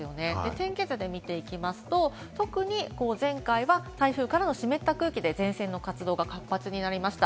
天気図で見ていきますと、特に前回は台風からの湿った空気で前線の活動が活発になりました。